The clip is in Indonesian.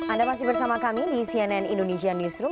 anda masih bersama kami di cnn indonesia newsroom